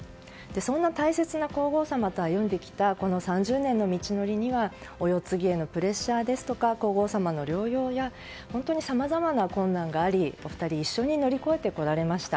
そんな大切な皇后さまと歩んできた３０年の道のりにはお世継ぎへのプレッシャーですとか皇后さまの療養や本当にさまざまな困難がありお二人一緒に乗り越えてこられました。